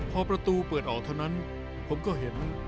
พอประตูเปิดออกเท่านั้นผมก็เห็น